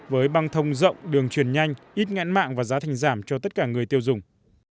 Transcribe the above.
với băng thông rộng đường truyền nhanh ít nhãn mạng và giá thành giảm cho tất cả người tiêu dùng